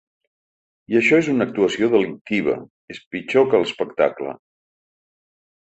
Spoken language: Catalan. I això és una actuació delictiva, és pitjor que l’espectacle.